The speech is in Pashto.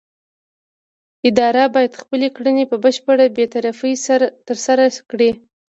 اداره باید خپلې کړنې په بشپړه بې طرفۍ ترسره کړي.